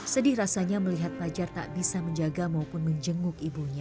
sedih rasanya melihat fajar tak bisa menjaga maupun menjenguk ibunya